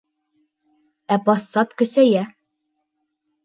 Ә пассат көсәйә.